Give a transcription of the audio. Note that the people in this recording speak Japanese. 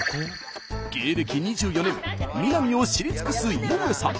芸歴２４年ミナミを知り尽くす井上さん。